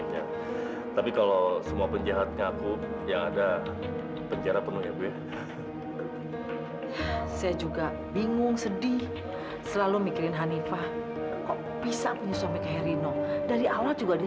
ya tapi kalau semua penjahat ngaku yang ada penjara penuh ya bu ya